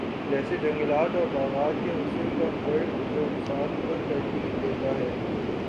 جیسے جنگلات اور باغات کے حسن کا فرق جو انسان خود ترتیب دیتا ہے